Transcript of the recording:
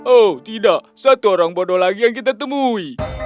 oh tidak satu orang bodoh lagi yang kita temui